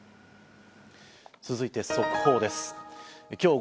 続いて速報です。